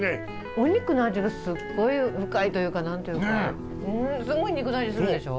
お肉の味がスゴい深いというか何というかスゴい肉の味するでしょ。